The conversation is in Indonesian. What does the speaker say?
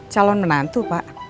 calon menantu pak